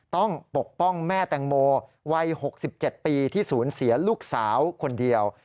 ปกป้องแม่แตงโมวัย๖๗ปีที่ศูนย์เสียลูกสาวคนเดียว